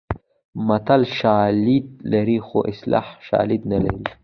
متل شالید لري خو اصطلاح شالید نه لري